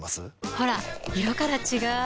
ほら色から違う！